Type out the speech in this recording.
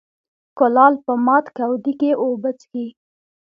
ـ کولال په مات کودي کې اوبه څکي.